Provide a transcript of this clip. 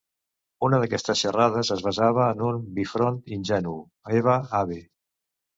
Una d'aquestes xarades es basava en un bifront ingenu: «Eva-Ave».